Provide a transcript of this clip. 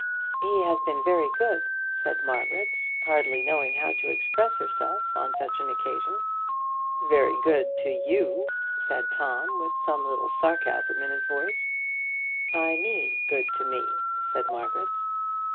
"He has been very good," said Margaret, hardly knowing how to express herself on such an occasion. "Very good to you," said Tom, with some little sarcasm in his voice. "I mean good to me," said Margaret.